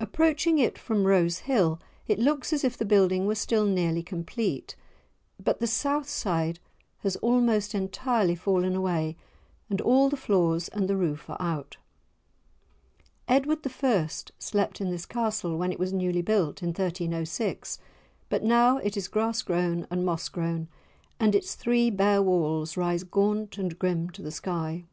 Approaching it from Rose Hill, it looks as if the building were still nearly complete, but the south side has almost entirely fallen away and all the floors and the roof are out. Edward I. slept in this Castle when it was newly built, in 1306; but now it is grass grown and moss grown, and its three bare walls rise gaunt and grim to the sky.